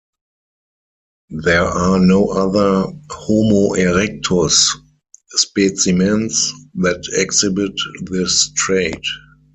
There are no other "Homo erectus" specimens that exhibit this trait.